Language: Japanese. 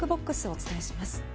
お伝えします。